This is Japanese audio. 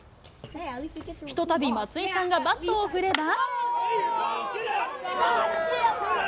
ひとたび松井さんがバットを振れば。